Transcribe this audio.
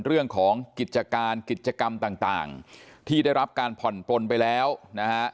เรื่องของกิจการกิจกรรมต่างที่ได้รับการผ่อนปนไปแล้วนะฮะ